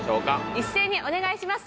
一斉にお願いします